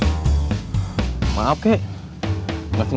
kamu aja gak mempertimbangkan aku ya